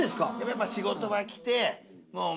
やっぱ仕事場来て。